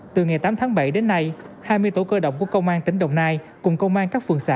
từ ngày tám tháng bảy đến nay hai mươi tổ cơ động của công an tỉnh đồng nai cùng công an các phường xã